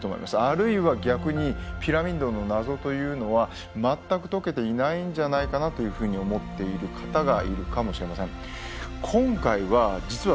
あるいは逆にピラミッドの謎というのは全く解けていないんじゃないかなというふうに思っている方がいるかもしれません。